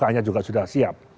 pakannya juga sudah siap